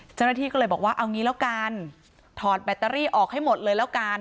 เจ้าหน้าที่ก็เลยบอกว่าเอางี้แล้วกันถอดแบตเตอรี่ออกให้หมดเลยแล้วกัน